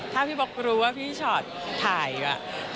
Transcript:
ถ้าพี่ปลอครู้ว่าพี่ช็อตถ่ายอยู่